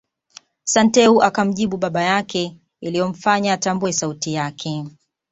Santeu akamjibu baba yake iliyomfanya atambue sauti yake